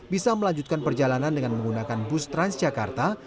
bisa melanjutkan perjalanan dengan menggunakan bus transjakarta